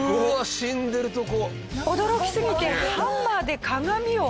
死んでるとこ。